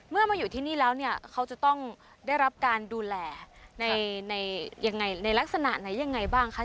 มาอยู่ที่นี่แล้วเนี่ยเขาจะต้องได้รับการดูแลในยังไงในลักษณะไหนยังไงบ้างคะ